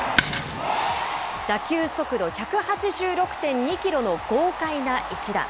打球速度１８６．２キロの豪快な一打。